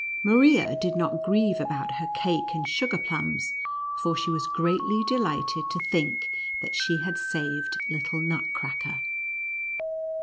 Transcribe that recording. Maria did not grieve about her cake and sugar plums, for she was greatly delighted to think that she had saved little Nutcracker.